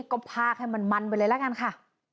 ก็พากให้มันไปเลยละกันค่ะ